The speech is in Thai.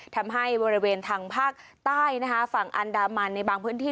ทำให้บริเวณทางภาคใต้นะคะฝั่งอันดามันในบางพื้นที่